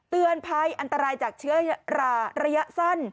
เตือนภัยอันตรายจากเชื้อระยะสั้น